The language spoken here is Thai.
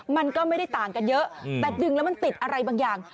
มันก็ไม่ได้ต่างกันเยอะแต่ดึงแล้วมันติดอะไรบางอย่าง